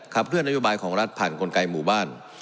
ขับเพื่อนนโยบัยของรัฐผ่านกลไกลบด้าน